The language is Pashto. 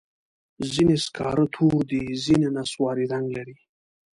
ځینې سکاره تور دي، ځینې نسواري رنګ لري.